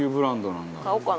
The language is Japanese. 買おうかな。